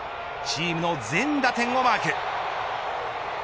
チームの全打点をマーク。